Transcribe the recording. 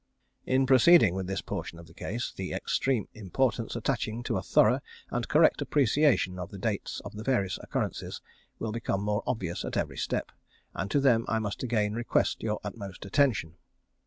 In proceeding with this portion of the case, the extreme importance attaching to a thorough and correct appreciation of the dates of the various occurrences will become more obvious at every step, and to them I must again request your utmost attention.